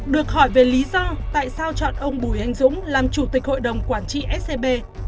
được hỏi về lý do tại sao chọn ông bùi anh dũng làm chủ tịch hội đồng quản trị scb